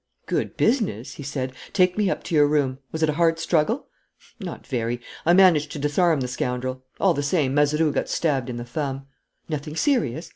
"Good business!" he said. "Take me up to your room. Was it a hard struggle?" "Not very. I managed to disarm the scoundrel. All the same, Mazeroux got stabbed in the thumb." "Nothing serious?"